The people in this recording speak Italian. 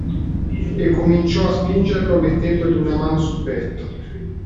E cominciò a spingerlo mettendogli una mano sul petto.